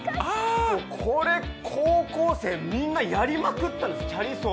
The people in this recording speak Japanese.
これ高校生みんなやりまくったんです、チャリ走。